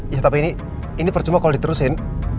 ya tapi ini percuma kalau diterusin